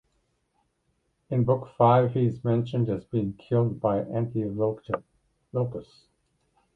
In Book Five, he is mentioned as being killed by Antilochus.